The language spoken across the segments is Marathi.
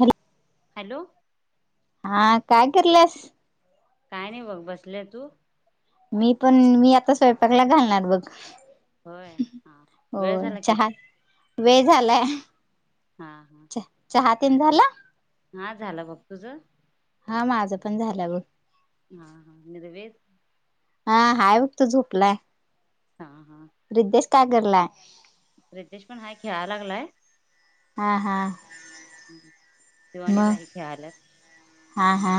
हॅलो! हॅलो! हा काराल्यास? काय नाही बघ बसले तू. मी पण मी आता स्वयंपाकला घालणार बघ. होय हा हो वेळ झाला की चहा वेळ झालंय. हा. चहा तेन झाला. हा झालं बघ तुझं. हा माझं पण झालं बघ. हा हा नि व हा हाय उगत झोपलाय. हा हा. रितेश काय करालय? रितेश पण हाय खेळायला लागलाय. हा हा तो आणि मग राही खेळवण्यात. हा हा.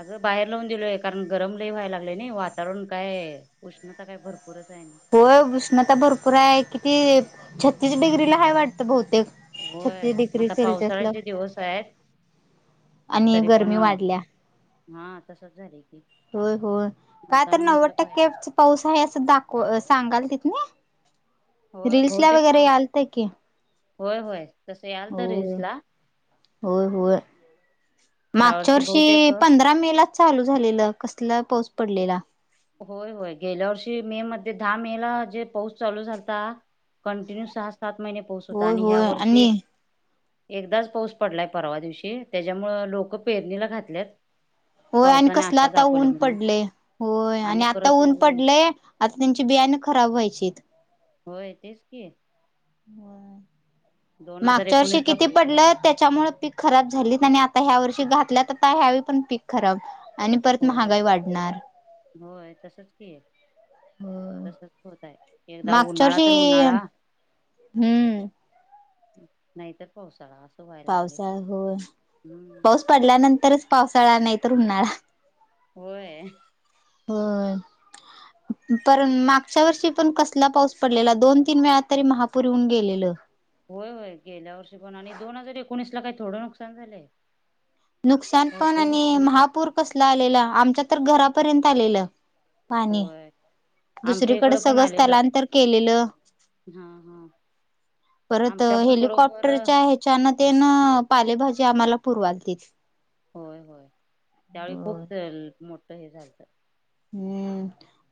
अगं बाहेर लावून दिलोय... कारण गरम लई व्हायला लागलय ना... हे वातावरण काय ए. उष्णता काय भरपूरच ए आणि. होय... उष्णता भरपूर आहे... किती... छत्तीस डिग्रीला हाय वाटतं बहुतेक छत्तीस होय... डिग्री आता सेल्सिअसला पावसाळ्याचे दिवस हायेत. आणि गरमी वाढल्या. हा... तसंच झालंय की. होय होय... काय तर म्हणताना नव्वद म्हटलं बाहेर टक्केच पाऊस हाये असं दाखव... सांगाल तिथ नं. होय रील्सला बहुतेक वगैरे सांग आलतं की होय होय.... तसं यालतं हो रिल्सला होय होय ह्या मागच्या वर्षी बहुतेक पंधरा मे लाच चालू झालेलं... कसला पाऊस पडलेला होय होय... गेल्या वर्षी मे मध्ये... दहा मे ला जे पाऊस चालू झालता कंटिन्यू सहा सात महिने पाऊस होता होय आणि ह्या होय वर्षी आणि एकदाच पाऊस पडलाय परवा दिवशी त्याच्यामुंळं, लोकं पेरणीला घातलेत. होय आणि कसलं आता ऊन पडले.... होय... आणि आता ऊन पडलेय आता त्यांची बियाणं खराब व्हायचीत. होय... तेच की. होय.... दोन हजार मागच्या वर्षी एकोणीस ला किती पडलत त्याच्यामुळे पीक खराब झालीत आणि आता ह्या वर्षी घातल्या तर आता ह्यावेळी पण पीक खराब. आणि परत होय महागाई वाढणार. होय तसंच की. होय तसंच होत ए... एकदा मागच्या उन्हाळा तर वर्षी उन्हाळा हम्म नाईतर पावसाळा असं व्हायला लागले पावसाळा... हो हम्म पाऊस पडल्यानंतरच पावसाळा... नाही तर उन्हाळा. होय. होय. पण मागच्या वर्षी पण कसला पाऊस पडलेला... दोन तीन वेळा तरी महापूर येऊन गेलेलं. होय-होय गेल्या वर्षी पण... आणि दोन हजार एकोणीसला काय थोडं नुकसान झालंय? नुकसान पण... भरपूर आणि नुकसान झालं महापूर कसला आलेला... आमच्या तर घरापर्यंत आलेलं पाणी... होय आमच्या दुसरीकडे इकडं पण सगळं आलेलं स्थलांतर केलेलं हा हा. परत आमच्या पण बरोबर हेलिकॉप्टरच्या हेच्यानं... ते नं पालेभाजी आम्हाला पुरवालतेत. होय होय... त्यावेळी खूप मोठं हे झालतं हम्म...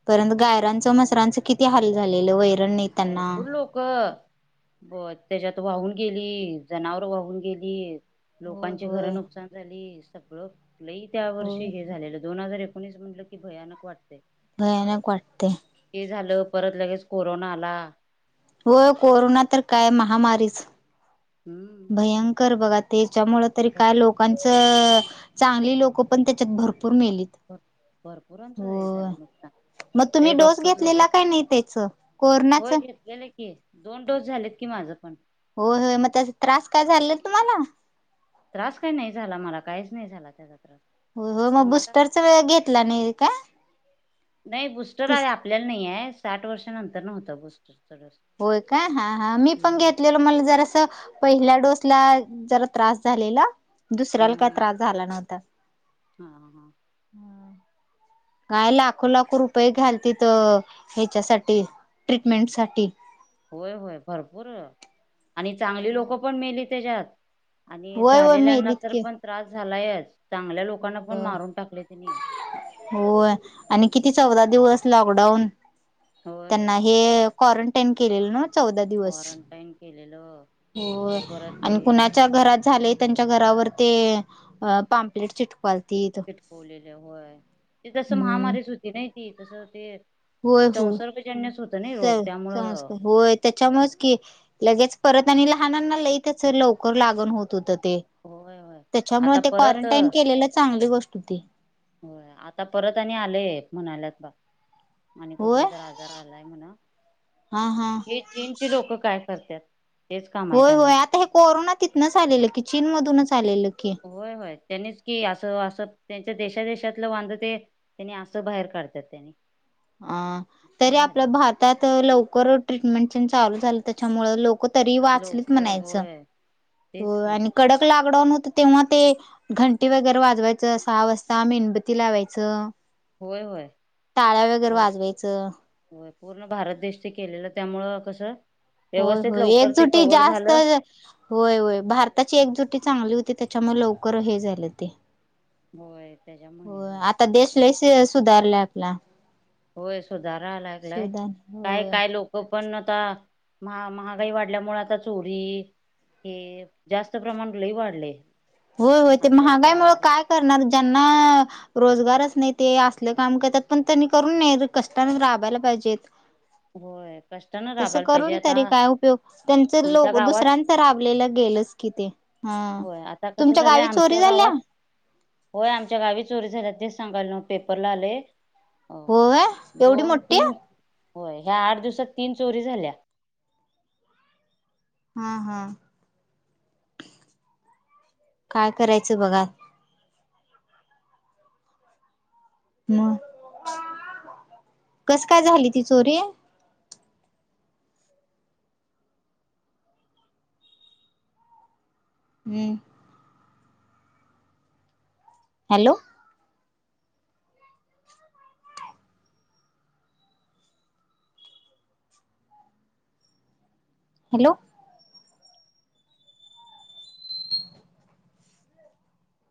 परंत गायरांचं... मसरांचं किती हाल झालेलं वैरण नई भरपूर लोक कं त्याच्यात वाहून गेली... जनावर वाहून गेली. होय लोकांची घर होय. नुकसान झाली... सगळं.. लई त्या होय वर्षी हे झालेलं... दोन हजार कोणीस म्हटलं की भयानक वाटतय. भयानक वाटतय. हे झालं... परत लगेच कोरोना आला. हो कोरोना तर काय... महामारीच. हम्म. भयंकरच बघा... त्याच्यामुळं तरी काय भरपूर लोकांचं चांगली लोकं पण त्याच्यात भरपूर मेली. भरपूरांचं हे झालं... नुकसान. मग तुम्ही ते डोस डॉक्टर लोक घेतलेला काही नाही त्याच कोरोनाच? होय घेतलेले दोन डोस झालेत की माझं पण. होय-होय मग त्याचा त्रास काय झाला तुम्हाला? त्रास काही नाही झाला मला काहीच नाही झाला त्याचा त्रास. हो-हो मग तुम्हाला बुस्टरचा वे घेतला नाही का? नाही बुस्टर आहे तीस आपल्याला नाही आहे साठ वर्षानंतर न होतं बुस्टरचा डोस. होय का हा-हा मी पण हम्म घेतलेल मला जरा पहिल्या डोसला जरा त्रास झालेला दुसऱ्याला काही त्रास झाला नव्हता हा-हा काय लाखो-लाखो आत- रुपये घालतील त ह्याच्यासाठी ट्रीटमेंट साठी. होय-होय भरपूर आणि चांगली लोक पण मेली त्याच्यात. आणि होय होय झालेल्यांना मेलीत तर की पण त्रास झालाय चांगल्या लोकांना पण होय मारून टाकले त्यांनी. होय आणि किती चौदा दिवस लॉकडाऊन होय त्यांना हे कॉरंटाईन केलेलं ना? चौदा दिवस क्वारंटाईन केलेलं हो परत ते आणि कुणाच्या घरात झाले. त्यांच्या घरावर ते पामपलेट चिटवाल चिटकवलेलं होय ते जस हम्म महामारीच होती नाही ती तस ते होय होय संसर्गजन्यस होतं ना स रोग त्यामुळं संस्कार होय त्याच्यामुळेच की लगेच परत आणि लहानांना लई त्याच लवकर लागण होत होतं ते होय होय त्याच्यामुळे आता ते परत क्वारंटाईन केलेलं चांगली गोष्ट होती. हो आता परत आणि आलेय म्हणाल्यात बा. आणि होय कुठला तर आजार आलाय म्हणा हा हा हे चीन चे लोक काय करतात? तेच काम आहे त्यांना होय-होय आता हे कोरोना तिथनंच आलेलं की चीन मधूनच आलेलं की. होय-होय त्यांनीच की असं-असं त्यांच्या देशा देेशातलं वांध ते त्यांनी असं बाहेर काढतात त्यांनी अ तरी आपल्या झाले भारतात लवकर ट्रीटमेंट चालू झालं त्याच्यामूळ लोक तरी वाचलीच लवकर म्हणायचं होय तेच हो की आणि कडक लॉकडाऊन होत तेव्हा ते घंटी वगैरे वाजवायचं सहा वाजता मेणबत्ती लावायचं. होय-होय तर वाजवायचं. हो पूर्ण भारत देश ते केलेलं त्यामुळ कसं होय व्यवस्थित होय लवकर ते एकजुटी कव्हर जास्त झालं होय होय भारताची एकजुटी चांगली होती त्याच्यामुळे लवकर हे झालं ते होय त्याच्यामुळे हो हे झालं आता देश लय सुधारलंय आपला. होय सुधाराय लागलाय सुधार होय. काय-काय लोक हो पण आता महा महागाई वाढल्यामुळे आता चोरी हे जास्त प्रमाण लही वाढले. होय-होय ते महागाई मूळ अत्याचार काय करणार ज्यांना रोजगारच नाही ते असले काम करतात पण त्यांनी करून नाही कष्टाने राबायला पाहिजेत. ह तस करून तरी काय उपयोग त्यांच आमच्या लोक गावात दुसऱ्यांच राबलेलं गेलच किती हं होय आता कसं झालं आमच्या गावात होय आमच्या गावी चोरी झाल्या तेच सांगायल मग पेपरला आले. हो एवढी दोन मोठी हे तीन होय ह्या आठ दिवसात तीन चोरी झाल्या हा, हा काय करायचं बघा मग कस काय झाली ती चोरी? ह हॅलो हॅलो